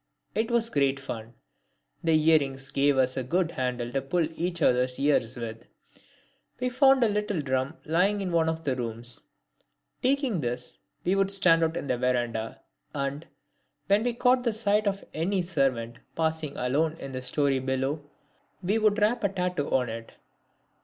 It was great fun. The earrings gave us a good handle to pull each other's ears with. We found a little drum lying in one of the rooms; taking this we would stand out in the verandah, and, when we caught sight of any servant passing alone in the storey below, we would rap a tattoo on it.